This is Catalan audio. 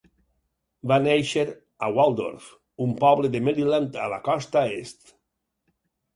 Va néixer a Waldorf, un poble de Maryland, a la costa est.